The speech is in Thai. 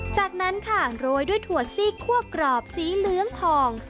จากนั้นค่ะโรยด้วยถั่วซีกคั่วกรอบสีเหลืองทอง